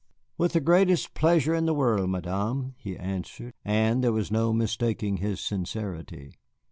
"With the greatest pleasure in the world, Madame," he answered, and there was no mistaking his sincerity.